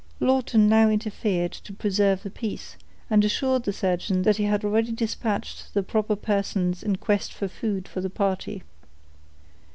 Lawton now interfered to preserve the peace, and assured the surgeon that he had already dispatched the proper persons in quest of food for the party.